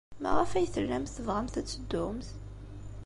Maɣef ay tellamt tebɣamt ad teddumt?